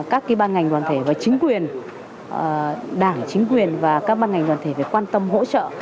các ban ngành đoàn thể và chính quyền đảng chính quyền và các ban ngành đoàn thể phải quan tâm hỗ trợ